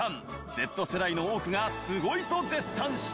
Ｚ世代の多くがスゴい！と絶賛した。